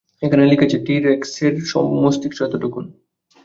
এখানে লিখেছে টি-রেক্সের মস্তিষ্ক এতোটুকুন।